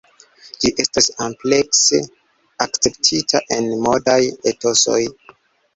Ĝi estas amplekse akceptita en modaj etosoj.